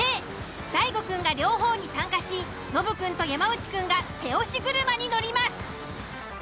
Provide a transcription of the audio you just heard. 大悟くんが両方に参加しノブくんと山内くんが手押し車に乗ります。